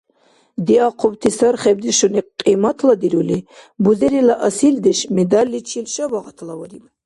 Диахъубти сархибдешуни кьиматладирули, «Бузерила асилдеш» медальличил шабагъатлавариб.